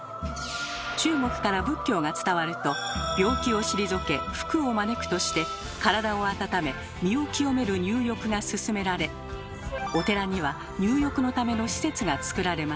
中国から仏教が伝わると「病気を退け福を招く」として体を温め身を清める入浴が勧められお寺には入浴のための施設がつくられました。